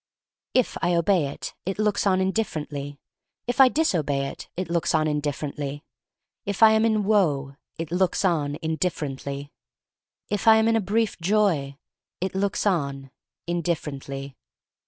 If I obey it, it looks on indifferently. If I disobey it, it looks on indifferently. If I am in woe, it looks on indifferently. If I am in a brief joy, it looks on in differently.